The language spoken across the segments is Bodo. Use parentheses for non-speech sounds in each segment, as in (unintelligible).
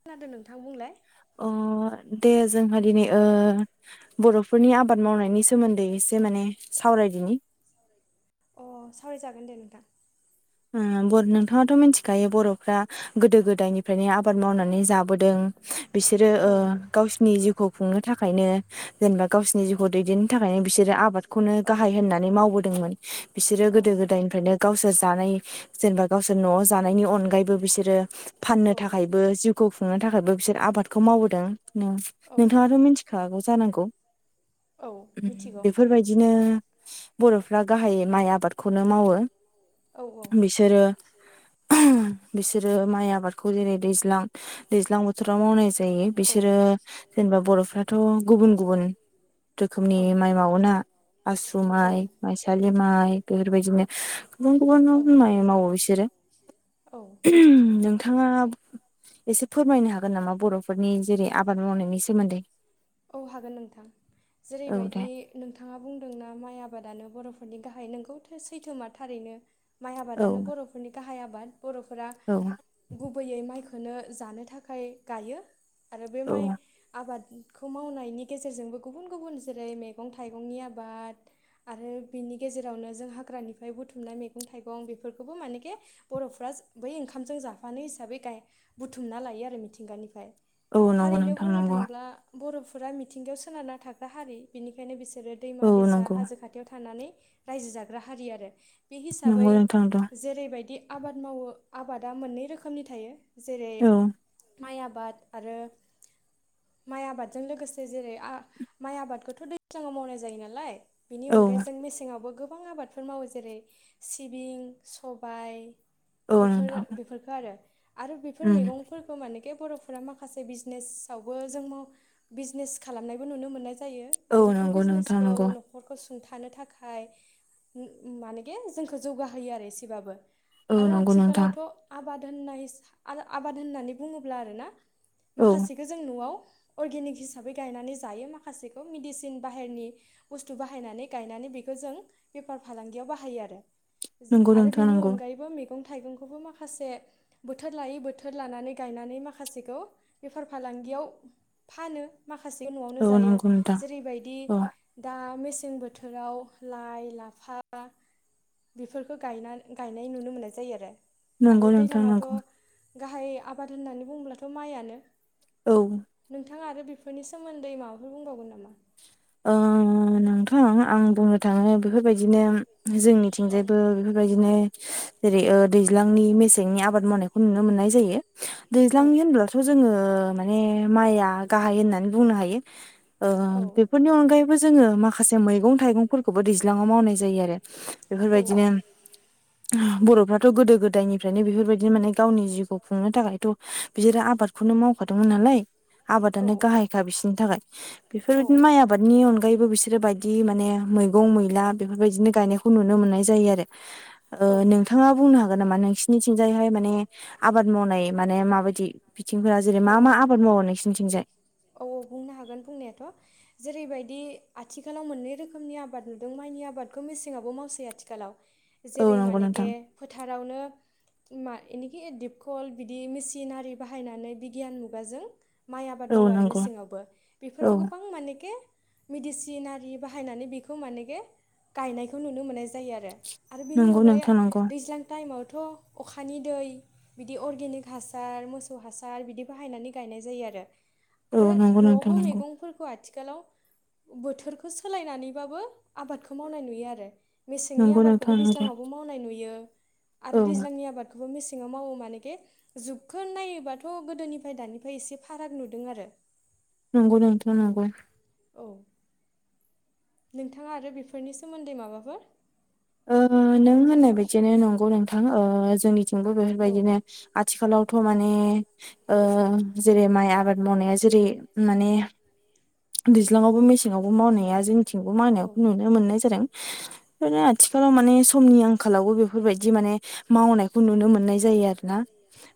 खोनादों नोंथां बुंलाय। अ दे जोंहा दिनै ओ बर'फोरनि आबाद मावनायनि सोमोन्दै एसे माने सावराय। रायदिनि। अ सावरायजागोन दे नोंथां। ओ बर नोंथाङाथ' मिथिखायो बर'फ्रा गोदो गोदायनिफ्रायनो आबाद मावनानै जाबोदों। बिसोरो औ ओ गावसिनि जिउखौ। खौ खुंनो थाखायनो जेनेबा गावसिोरनि जिउखौ दैदेननो थाखायनो बिसोरो आब। आबादखौनो औ गाहाय होननानै मावबोदोंमोन बिसोरो औ गोदो गोदायनिफ्रायनो गावसोर जानाय। जेनेबा गावसोर न'आव जानायनि अनगायैबो बिसोर आरो फाननो औ थाखायबो जिउखौ खुंनो थाखायबो बिसोर आबादखौ मावबोदों औ नोंथाङाथ' मिथिखागौ जानांगौ। औ मिथिगौ बेफोरबायदिनो बर'फ्रा गाहायै माइ आबादखौनो मावो। औ औ बिसोरो बिसोरो माइ आबादखौ जेरै दैज्लां। दैज्लां बोथोराव मावनाय जायो औ बिसोरो जेनेबा बर'फ्राथ' गुबुन गुबुन रोखोमनि औ माइ मावोना आसु माइ माइसालि माइ बेफोरबायदिनो गुबुन गुबुन माइ मावो बिसोरो नोंथाङा। एसे फोरमायनो हागोन नामा बर'फोरनि जेरै आबाद मावनायनि सोमोन्दै औ हागोन नोंथां औ दे जेरैबायदि नोंथाङा बुंदोंना माइ आबादानो बरफ फोरनि गाहाय नोंगौथो सैथोमा थारैनो माइ औ आबादानो बर'फोरनि गाहाय आबाद। बर'फोरा औ गुबैयै माइखौनो जानो थाखाय गायो। आरो बे औ माइ आबाद। खौ मावनायनि गेजेरजोंबो गुबुन गुबुन जेरै मैगं थाइगंनि आबाद। आरो बिनि गेजेरावनो जों हाग्रानिफ्राय बुथुमनाय मैगं थाइगं बेफोरखौबो मानेखि बर'फ्रा बै ओंखामजों जाफानो हिसाबै गाय बुथुमना लायो आरो मिथिंगानिफ्राय औ नंगौ थारैनो नोंथां बुंनो नंगौआ। थांब्ला बर'फोरा मिथिंगायाव सोनारना थाग्रा हारि बिनिखायनो बिसोरो औ दैमा दैसा नंगौ हाजो खाथियाव थानानै रायजो जाग्रा हारि आरो बे हिसाबै नंगौ नोंथां नंगौ जेरैबायदि आबाद मावो आबादा मोननै रोखोमनि थायो जेरै औ माइ आबाद आरो माइ आबाद। जों लोगोसे जेरै माइ आबादखौथ' दैज्लाङाव मावनाय जायो नालाय। बेनि औ अनगायै जों मेसेङावबो गोबां आबादफोर मावो जेरै सिबिं सबाय। औ बेफोरो नोंथां बेफोरखौ आरो आरो बेफोर उम मैगंफोरखौ माने। बर'फोरा माखासे बिजनेसावबो जों माव बिजनेस खालामनायबो नुनो मोननाय जायो औ आरो बेफोर नंगौ नोंथां बिजनेसखौ नंगौ न'खरखौ सु सुंथानो थाखाय मानेगे जोंखौ जौगाहोयो आरो एसेबाबो। औ आरो नंगौ नोंथां आथिखालावथ' आबाद होननाय आबाद होननानै बुङोब्ला आरोना औ माखासेखौ जों न'आव अर्गेनिक हिसाबै गायनानै जायो माखासेखौ मेडिसिन बाहेरनि बुस्थु बाहायनानै गायनानै बेखौ जों बेफार फालांगियाव बाहायो आरो। नंगौ आरो नोंथां बेनि नंगौ अनगायैबो मैगं थाइगंखौबो माखासे बोथोर लायै बोथोर लानानै गायनानै माखासेखौ बेफार फाला गियाव फानो माखासे न'आवनो औ जायो नंगौ नोंथां जेरैबादि औ दा मेस सें बोथोराव लाइ लाफा, बेफोरखौ गायना गायनाय नुनो मोननाय जायो आरो। आरो नंगौ नोंथां दैज्लाङावथ' नगौ। गाहाय आबाद होननानै बुंब्लाथ' माइयानो। औ। नोंथां आरो बेफोरनि सोमोन्दै माबाफोर बुंबावगोन नामा? ओ नोंथां आं बुंनो थाङो बेफोरबायदिनो औ जोंनिथिंजायबो बेफोरबायदिनो जेरै ओ दैज्लांनि मेसेंनि आबाद मावनायखौ नुनो मोननाय जायो। औ दैज्लांनि होनब्लाथ' जोङो माने माइआ गाहाय होननानै बुंनो हायो। ओ औ बेफोरनि अनगायैबो जोङो माखासे मैगं थाइगंफोरखौबो दैज्लाङाव मावनाय जायो आरो। औ बेफोरबायदिनो बर'फ्राथ' गोदो गो दायनिफ्रायनो बेफोरबायदिनो माने गावनि जिउखौ खुंनो थाखायथ' बिसोरो आबादखौनो मावखादोंमोन नालाय। आबादानो औ गाहायखा बिसोरनि थाखाय। बेफोरबायदि औ माइ आबादनि अनगायैबो बिसोरो बाय दि माने मैगं-मैला बेफोरबायदिनो गानायखौ ननो मोनाय जायो आरो। औ नोंथाङा बुंनो हागोन नामा नोंसिनिथिंजायहाय माने आबाद मावनाय माने माबायदि बिथिंफोरा जेरै मा औ मा अ आबाद मावो नोंसिनिथिंजाय? औ औ बुंनो हागोन बुंनायाथ'। जेरैबायदि आथिखाल। खालाव मोननै रोखोमनि आबाद नुदों मायनि आबादखौ मेसेङाबो मावसै आथिखालाव। औ जेरै नंगौ नोंथां मानेखे फोथारावनो मा इनिखि डिपकल बिदि मिसिनआरि बाहायनानै बिगियान मुगाजों माइ आबाद औ मावो आरो नंगौ मेसेङावबो औ बेफोराव गोबां मानेके मेडिसिन आ रि बाहायनानै बेखौ मानेके गायनायखौ नुनो मोननाय जायो आरो। आरो बेनि नंगौ अनगायै नोंथां नंगौ दैज्लां टाइमाव थ' अखानि दै बिदि अरगेनिक हासार मोसौ हासार बिदि बाहायनानै गायनाय जायो आरो। औ आरो नंगौ नोंथां न'आवबो नंगौ मैगंफोरखौ आथिखालाव बोथोरखो खो सोलायनानैबाबो आबादखौ मावनाय नुयो आरो। मेसेंनि नंगौ आबादखौबो नोंथां नंगौ दैज्लाङावबो मावनाय नुयो औ आरो दैज्लांनि आबादखौबो मेसे (unintelligible) ङाव मावो मानेगे जुगखौ नायोबाथ' गोदोनिफाय दानिफाय इसे फाराग नुदों आरो। नंगौ नोंथां नंगौ। औ। नोंथाङा आरो बेफोरनि सोमोन्दै माबाफोर ओ नों होननाय बायदिनो नंगौ नोंथां ओ जोंनि जोंबो औ बेफोरबायदिनो आथिखालाव थ' माने ओ जेरै माइ आबाद मावनाया जेरै माने दैज्लाङआवबो मेसेंङावबो मावनाया जोंनिथिंबो मावनाय औ नुनो मोननाय जादों (unintelligible) आथिखालाव माने समनि आंखालावबो बेफोरबायदि माने मावनायखौ नुनो मोननाय जायो आरोना।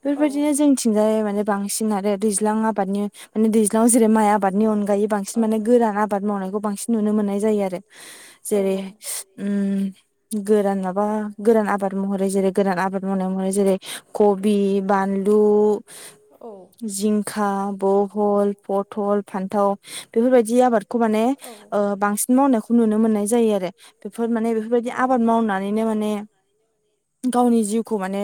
बेफोरबायदिनो जोंथिंजाय माने बांसिन आरो दैज्लां आबादनि माने दैज्लाङाव जेरै माइ आबादनि अन बांसिन माने गोरान आबाद मावनायखौ बांसिन नुनो मोननाय जायो आरो। आबाद मावनायखौ बांसिन नुनो मोननाय जायो आरो जेरै औ औ ओम गोरान माबा गोरान आबाद महरै जेरै गोरान आबाद मावनायाव महरै जेरै कबि, बानलु, औ बु जिंखा बहल पथल फान्थाव। बेफोरबायदि आबादखौ माने ओ बांसिन मावनायखौ नुनो मोननाय जायो आरो बेफोर माने बेफोरबाय दि आरो औ आबाद मावनानैनो माने गावनि जिउ खौ माने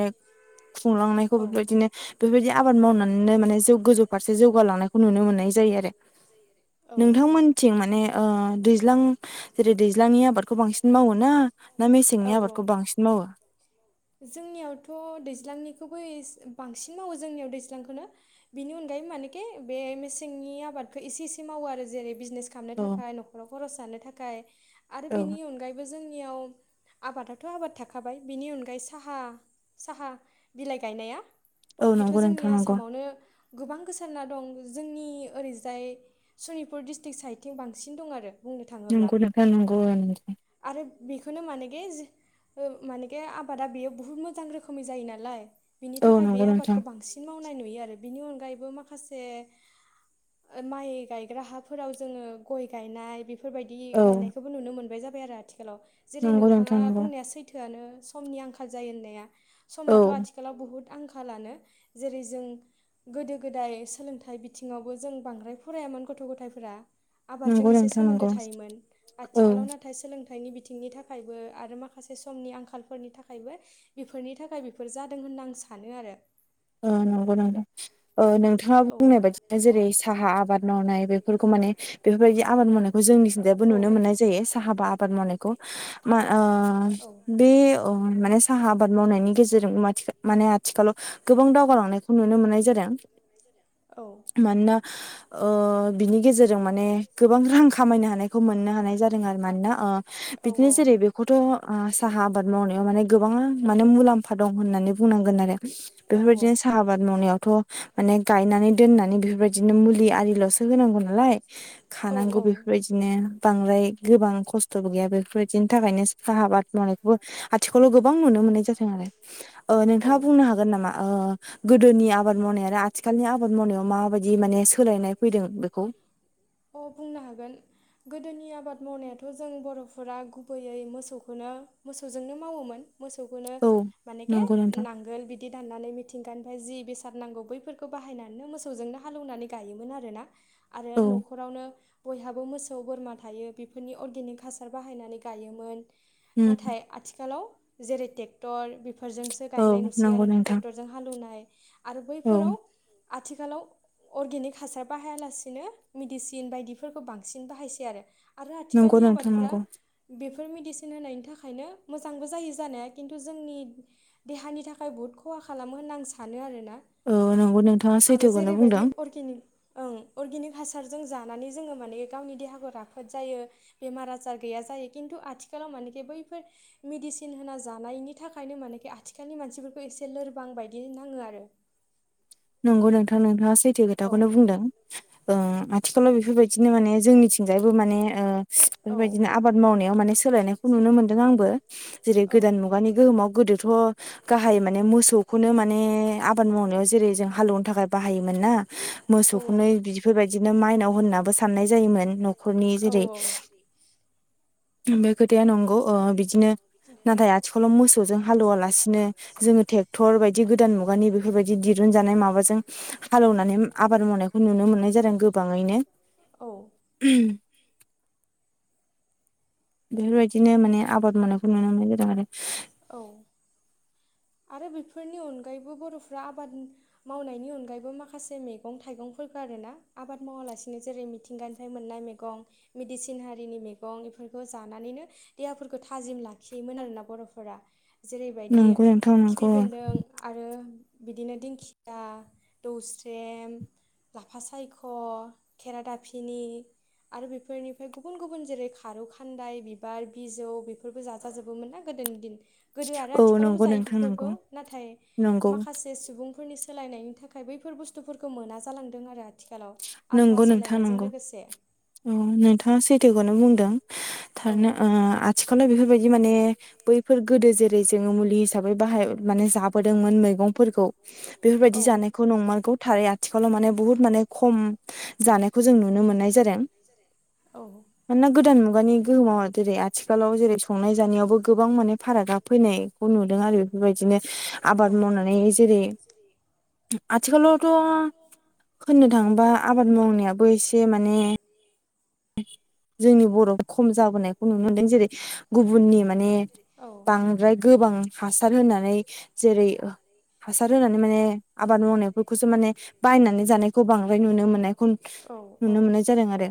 खुंलांनायखौ औ बेबायदिनो बेफोरबायदि आबाद मावनानैनो माने जौ गोजौ फारसे जौगालांनायखौ नुनो मोननाय जायो आरो। आरो औ नोंथांमोनथिं माने ओ दैज्लां जेरै- दैज्लांनि आबादखौ बांसिन मावोना ना मेसेंनि औ आबादखौ बांसिन मावो? जोंनियावथ' दैज्लांनिखौ (unintelligible) बांसिन मावो जोंनियाव दैज्लांखोनो बिनि अनगायै माने (unintelligible) बे मेसेंनि आबादखौ इसे इसे मावो आरो जेरै- बिजनेस खालामनो औ थाखाय न'खराव खरस जानो था खाय आरो औ बिनि अनगायैबो जोंनियाव आबादाथ' आबाद थाखाबाय बिनि अनगायै साहा साहा बिलाइ गायनाया औ बेथ' नंगौ जोंनि नोंथां नंगौ आसामावनो गोबां गोसा सारना दं जोंनि ओरैजाय सनितपुर डिस्ट्रिक साइडथिं बांसिन दं आरो। बुंनो थाङोब्ला नंगौ नोंथां नंगौ ओं (inaudible) आरो बेखौनो मानेगेज ओ मानेगे आबादा बेयो बुहुद मोजां रोखोमै जायो नालाय। बिनि औ थाखाय बे नंगौ नोंथां आबादखौ बांसिन मावनाय नुयो आरो बिनि अनगायैबो मा खासे माइ गायग्रा हाफोराव जोङो गय गायनाय बे फोरबायदि औ गायनायखौबो नुनो मोनबाय जाबाय आरो आथिखालाव जेरै- नंगौ नोंथाङा नोंथां नंगौ बुंनाया सैथोआनो। समनि आंखाल जायो होननाया औ समाथ' आथिखालाव बुहुत आंखालानो जेरै- जों गोदो गोदाय सोलोंथाइ बिथिङावबो जों बांद्राय फरायामोन गथ' गथायफोरा आबादजों नंगौ इसे नोंथां सोमोन्दो नंगौ थायोमोन औ आथिखालाव नाथाय सोलों थाइनि बिथिंनि थाखायबो आरो माखासे समनि आंखालफोरनि थाखायबो बेफोरनि थाखाय बेफोर जादों होन ना आं सानो आरो ओ नंगौ नोंथां ओ नोंथाङा औ बुंनाय बायदिनो जेरै- साहा आबाद न'नाय बेफोरखौ माने बेफोरबायदि आबाद मावनायखौ जोंनिथिंजायबो औ नुनो मोननाय जायो साहा बा आबाद मावनायखौ मा ओ औ बे ओ माने साहा आबाद मावनायनि गेजेरजोंबो माथिखा माने आथिखालाव गोबां दावगालांनायखौ नुनो मोननाय जादों औ मानोना ओ बिनि गेजेरजों माने गोबां रां खामायनो हानायखौ मोननो हानाय जादों आरो मानोना ओ औ बिदिनो जेरै- बेखौथ' ओ साहा आबाद मावनायाव ओ माने गोबां आनो माने मुलाम्फा दं होननानै बुंनांगोन आरो। औ औ बेफोरबायदिनो साहा आबाद मावनायावथ' माने गायनानै दोननानै बेफोरबायदिनो मुलि आरिल'सो होनांगौ ना लाय औ औ। खानांगौ बुंनो बेफोर बायदिनो बांद्राय गोबां खस्थ'बो गैया बेफोरबायदिनि थाखायनो साहा आबाद मावनायखौबो आथि खौल' गोबां नुनो मोननाय जादों आरो ओ नोंथाङा बुंनो हागोन नामा? ओ गोदोनि आबाद मावनाय आरो आथिखालनि आबाद मावनायाव माबायदि माने सोलायनाय फैदों बेखौ अ बुंनो हागोन गोदोनि आबाद मावनायाथ' जों बर'फोरा गुबैयै मोसौखौनो मोसौजोंनो मावोमोन। मोसौखौनो औ मानेखे नंगौ नोंथां नांगोल बिदि दाननानै मिथिंगानिफ्राय जि बेसाद नांगौ बैफोरखौ बाहायनानैनो मोसौजोंनो हालेवनानै गायोमोन आरोना आरो औ न'खरावनो बयहाबो मोसौ बोरमा थायो बेफोरनि अर्गेनिक हासार बाहायनानै गायोमोन उम नाथाय आथिखालाव जेरै टेक्टर बेफो फोरजोंसो औ गायनाय नुसै नंगौ आरोना नोंथां टेक्टरजों हालेवनाय आरो औ बैफोराव आथिखालाव अर्गेनिक हासार बाहायालासिनो मेडिसिन बायदिफोरखौ बांसिन बाहायसै आरो। आरो नंगौ आथिखालनि नोंथां आबादफोरा नंगौ बेफो फोर मेदिसिन होनायनि थाखायनो मोजांबो जायो जानाया खिन्थु जोंनि देहानि थाखाय बुहुद ख'हा खालामो होनना आं सानो आरोना औ नंगौ नोंथाङा आरो सैथोखौनो जेरैबायदि बुंदों। (unintelligible) अर्गेनिक हासारजों जानानै जोङो माने गावनि देहाखौ राफोद जायो बेमार आजार गैया जायो खिन्थु आथिखालाव मानेे बैफोर मेडिसिन होना जानायनि थाखायनो माने आथिखालनि मानसिफोरखौ एसे लो लोरबां बायदि नाङो आरो। नंगौ नोंथां नोंथाङा सैथो औ खोथाखौनो बुंदों आथिखालाव ओ बेफोरबायदि दिनो माने जोंनिथिंजायबो माने औ बेफोरबायदिनो आबाद मावनायाव माने सोलायनायखौ नुनो मोन्दों आंबो। जेरै- औ गोदान मुगानि गोहोमाव गोदोथ' गाहाय माने मोसौखौनो माने आबाद माव नायाव जेरै- जोंहा हालोवनो थाखाय बाहायोमोन ना औ मोसौखौनो बिफोरबायदिनो माइनाव होननाबो साननाय जायोमोन न' खरनि हायो जेरै- (unintelligible) बे खोथाया नंगौ ओ बिदिनो नाथाय आथिखालाव मोसौजों हालौवालासिनो जोङो ट्रेक्टर बायदि गोदान मुगानि बेफोरबायदि दिर हुनजानाय माबाजों हालौनानै आबाद मावनायखौ नुनो मोननाय जादों गोबाङैनो। औ बेफोर बायदि। दिनो माने आबाद मावनायखौ नुनो मोननाय जादों आरो। आरो बेफोरनि अनगायैबो बर'फ्रा आबाद मावनायनि अनगायैबो माखासे मैगं थाइगंफो फोरखो आबाद मावालासिनो जेरै- मिथिंगानिफाय मोननाय मैगं मिदिसिन हारिनि मेगं एफो फोरखौ जानानैनो देहाफोरखौ थाजिम लाखियोमोन आरोना बर'फोरा। जेरैबायदि नंगौ नोंथां खिफि नंगौ बेन्दों आरो रो बिदिनो दिंखिया दौस्रेम। लाफा सायख' खेरादाफिनि। आरो बेफोरनिफाय गुबुन-गुबुन जेरै- खारौ खान्दाय बिबार बिजौ बेफोरबो जाजाजोबोमोन ना गो दोनि दिन गोदो आरो औ आथिखालावबो नंगौ जायो नोंथां बेफोरखौ नंगौ नाथाय नंगौ माखासे सुबुं फोरनि सोलायनायनि थाखाय बैफोर बुस्थुफोरखौ मोना जालांदों आरो आ नोंगौ नोंथां नंगौ नोंथाङा उम सैथोखौनो बुंदों। औ थारैनो ओ आथिखालाव बेफोरबायदि माने बैफोर गोदो जे रै मुलि हिसाबै बाहाय माने जाबोदोंमोन मैगंफोरखौ। बेफोरबायदि औ जानायखौ नंमारगौ थारै आथिखालाव माने बुहुत माने खम जानायखौ जों नुनो मोननाय जादों। औ मानोना गो दान मुगानि गोहोमाव आ देरै आ थिखालाव जेरै- संनाय जानायावबो गोबां माने फारागा फैनायखौ नुदों आरो बेफोरबायदिनो आबाद मावनानै जेरै- आथिखालावथ' होननो थाङोबा आबाद मावनायाबो एसे माने। जोंनि बर' खम जाबोनायखौ नुनो मोनदों जेरै- गुबुननि माने। होनानै माने बांद्राय गोबां हासार होनानै जेरै हासार होनानै माने आबाद मावनायफोरखौसो माने बायनानै जानायखौ बांद्राय नुनो मोननायखौ नुनो औ मोननाय जादों आरो।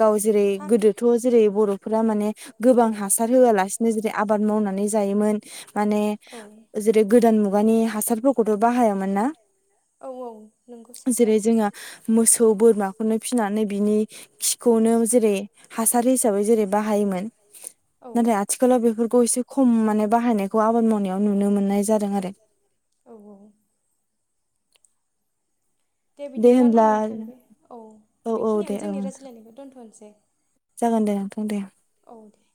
गाव जेरै- गोदोथ' जे बर'फोरा माने गोबां हासार होआलासिनो जेरै- आबाद मावनानै जायोमोन। माने औ जेरै- गोदान मुगानि हासारफोरखौथ' बाहायामोन ना। औ ओ। जेरै- जोङो मोसौ बोरमाखौनो फिनानै बिनि खौनो जेरै- हासार हिसाबै जेरै- बाहायोमोन औ नाथाय आथिखालाव बेफोरखौ एसे खम माने बाहायनायखौ आबाद मावना याव नुनो मोननाय जादों आरो। औ (unintelligible) दे बिदिब्ला नानि नों थांदो औ औ औ दे बेखिनियावनो औ जोंनि रायज्लायनायखौ दोनथ'नोसै। जागोन दे नोंथां दे। औ दे